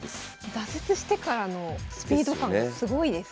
挫折してからのスピード感がすごいですね。